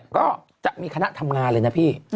ก็จะมีคณะทำงานเลยนะพี่